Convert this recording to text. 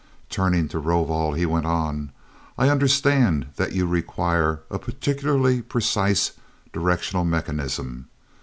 Turning to Rovol, he went on: "I understand that you require a particularly precise directional mechanism?